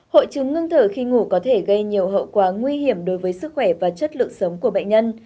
hội chứng ngưng thở khi ngủ có thể gây nhiều hậu quả nguy hiểm đối với sức khỏe và chất lượng sống của bệnh nhân